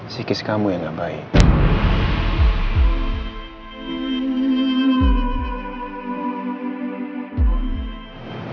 si kis kamu yang gak baik